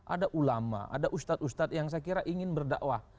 ada ulama ada ustadz ustadz yang saya kira ingin berdakwah